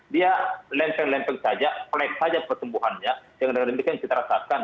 dia lempeng lempeng saja flat saja pertumbuhannya dengan demikian kita rasakan